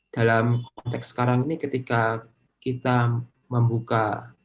dalam konteks sekarang ini ketika kita membuka